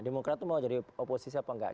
demokrat itu mau jadi oposisi apa enggak